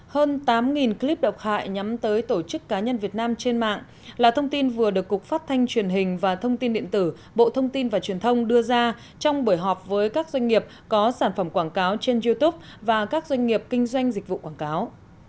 hơn tám clip độc hại nhắm tới tổ chức cá nhân việt nam trên mạng là thông tin vừa được cục phát thanh truyền hình và thông tin điện tử bộ thông tin và truyền thông đưa ra trong buổi họp với các doanh nghiệp có sản phẩm quảng cáo trên youtube và các doanh nghiệp kinh doanh dịch vụ quảng cáo